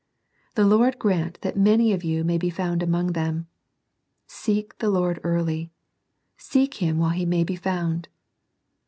The Lord grant that many of you may be found among them. Oh, seek the Lord early ! Seek Him while He may be found.